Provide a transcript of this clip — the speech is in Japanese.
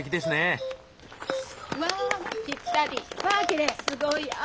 すごい。